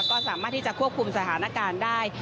ก็สามารถที่จะควบคุมสถานการณ์ได้